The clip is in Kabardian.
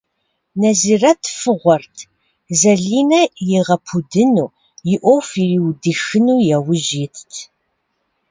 Нэзирэт фыгъуэрт, Зэлинэ игъэпудыну, и ӏуэху ириудыхыну яужь итт.